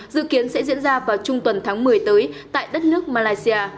dự kiến sẽ diễn ra vào trung tuần tháng một mươi